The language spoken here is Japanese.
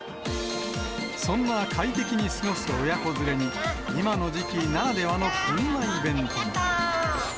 そんな快適に過ごす親子連れに、今の時期ならではのこんなイベントも。